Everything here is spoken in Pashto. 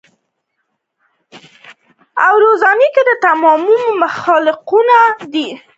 چې پالونکی او روزونکی د تمامو مخلوقاتو دی